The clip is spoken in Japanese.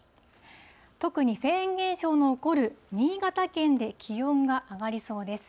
特にフェーン現象の起こる新潟県で気温が上がりそうです。